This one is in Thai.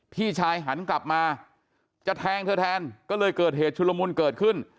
พี่ชายหันกลับมาจะแทงเธอแทนก็เลยเกิดเหตุชุลมุนเกิดขึ้น